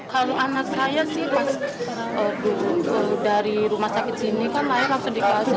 kalau anak saya sih pas dari rumah sakit sini kan layak langsung di kelas